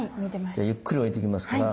ではゆっくり置いていきますから。